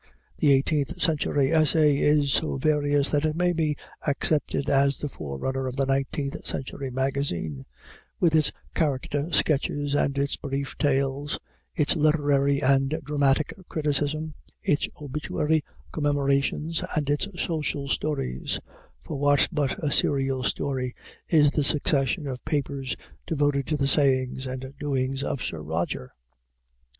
The eighteenth century essay is so various that it may be accepted as the forerunner of the nineteenth century magazine, with its character sketches and its brief tales, its literary and dramatic criticism, its obituary commemorations and its serial stories for what but a serial story is the succession of papers devoted to the sayings and doings of Sir Roger?